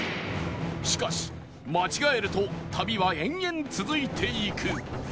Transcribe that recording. しかし間違えると旅は延々続いていく